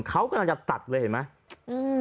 เขากำลังจะตัดเลยเห็นไหม